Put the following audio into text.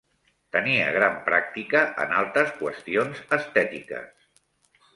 Tenia gran pràctica en altes qüestions estètiques.